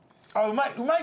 うまい。